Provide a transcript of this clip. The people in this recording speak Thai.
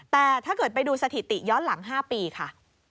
แต่ถ้าเกิดไปดูสถิติย้อนหลัง๕ปีค่ะ